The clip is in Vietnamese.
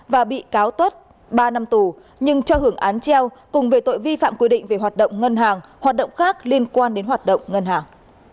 và bị cáo tuất ba năm tù nhưng cho hưởng án treo cùng về tội vi phạm quy định về hoạt động ngân hàng hoạt động khác liên quan đến hoạt động ngân hàng